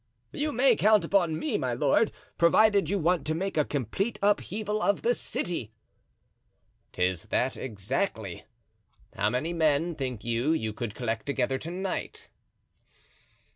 "You may count upon me, my lord, provided you want to make a complete upheaval of the city." "'Tis that exactly. How many men, think you, you could collect together to night?"